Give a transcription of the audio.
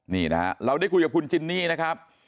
นี่นะฮะเราได้คุยกับคุณจินนี่นะครับ